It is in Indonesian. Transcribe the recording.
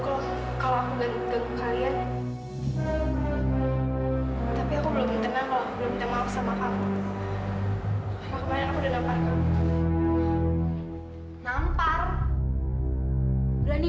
kamu sebelumnya minta maaf dulu kalau aku ganteng kalian tapi aku belum tenang